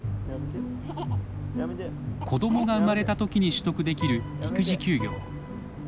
子どもが生まれたときに取得できる育児休業。